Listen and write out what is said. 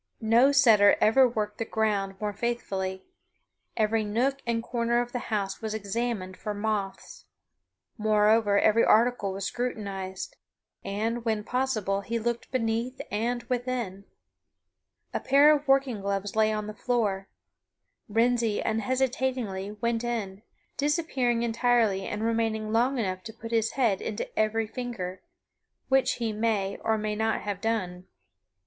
No setter ever worked the ground more faithfully. Every nook and corner of the house was examined for moths. Moreover, every article was scrutinized, and, when possible, he looked beneath and within. A pair of working gloves lay upon the floor. Wrensie unhesitatingly went in, disappearing entirely and remaining long enough to put his head into every finger which he may, or may not have done.